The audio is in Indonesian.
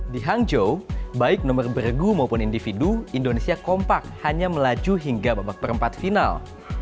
di hangzhou baik nomor bergu maupun individu indonesia kompak hanya melaju hingga babak perempat final